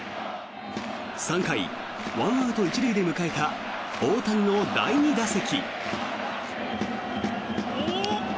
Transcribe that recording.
３回、１アウト１塁で迎えた大谷の第２打席。